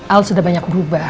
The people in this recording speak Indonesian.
al sudah banyak berubah